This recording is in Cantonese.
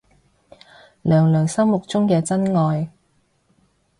娘娘心目中嘅真愛